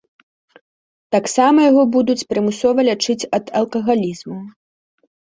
Таксама яго будуць прымусова лячыць ад алкагалізму.